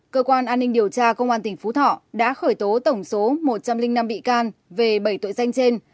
cơ quan an ninh điều tra công an tỉnh phú thọ đã khởi tố tổng số một trăm linh năm bị can về bảy tội danh trên